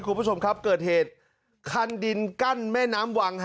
คุณผู้ชมครับเกิดเหตุคันดินกั้นแม่น้ำวัง